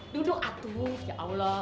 duduk atuh ya allah